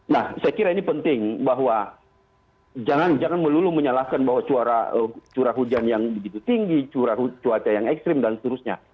nah saya kira ini penting bahwa jangan melulu menyalahkan bahwa curah hujan yang begitu tinggi curah cuaca yang ekstrim dan seterusnya